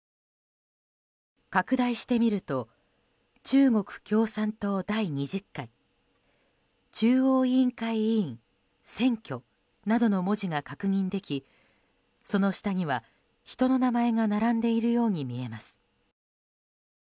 拡大してみると「中国共産党第二十回」「中央委員会委員選挙」などの文字が確認できその下には、人の名前が並んでいるように見えます。